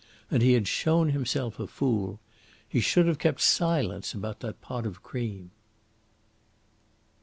And he had shown himself a fool. He should have kept silence about that pot of cream.